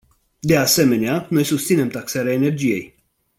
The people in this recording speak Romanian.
De asemenea, noi susținem taxarea energiei.